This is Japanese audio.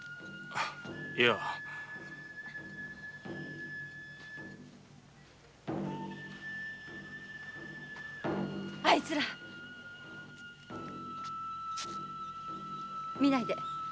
あッあいつら！見ないで。